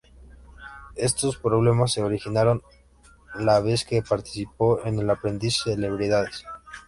Estos problemas se originaron la vez que participó en El Aprendiz: Celebridades.